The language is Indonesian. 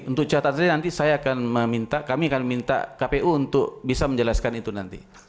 untuk catatan nanti kami akan minta kpu untuk bisa menjelaskan itu nanti